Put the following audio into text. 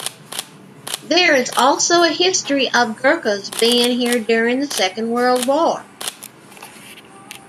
There is also a history of Gurkhas being here during the Second World War.